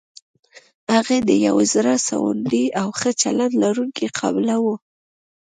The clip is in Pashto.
هغې د يوې زړه سواندې او ښه چلند لرونکې قابله وه.